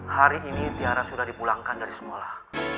hari ini tiara sudah dipulangkan dari sekolah